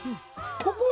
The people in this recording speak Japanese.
ここは？